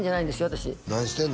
私何してんの？